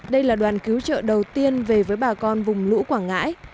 đây là đoàn cứu trợ đầu tiên về với bà con vùng lũ quảng ngãi